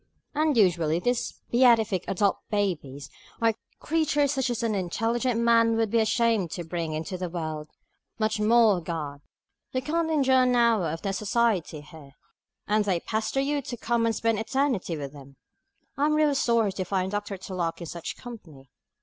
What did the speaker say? And usually these beatific adult babies are creatures such as an intelligent man would be ashamed to bring into the world, much more a God. You can't endure an hour of their society here, and they pester you to come and spend eternity with them! I am really sorry to find Dr. Tulloch in such company.